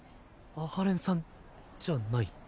阿波連さんじゃない。